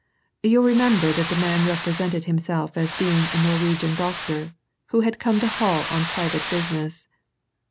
"You'll remember that the man represented himself as being a Norwegian doctor, who had come to Hull on private business.